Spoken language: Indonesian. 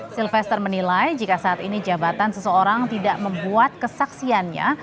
sylvester menilai jika saat ini jabatan seseorang tidak membuat kesaksiannya